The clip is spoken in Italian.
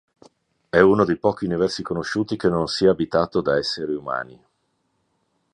È uno dei pochi universi conosciuti che non sia abitato da esseri umani.